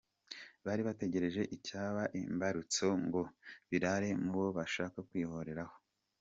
Bari bategereje icyaba imbarutso ngo birare mubo bashaka kwihoreraho.